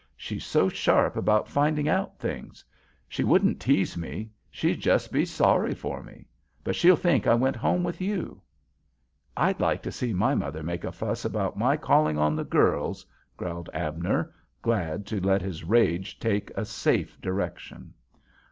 "She's so sharp about finding out things. She wouldn't tease me—she'd just be sorry for me. But she'll think I went home with you." "I'd like to see my mother make a fuss about my calling on the girls!" growled Abner, glad to let his rage take a safe direction.